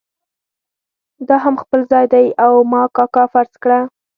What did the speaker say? دا هم خپل ځای دی او ما کاکا فرض کړه.